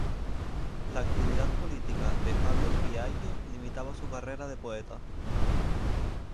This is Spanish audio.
La actividad política de Fabio Fiallo limitaba su carrera de poeta.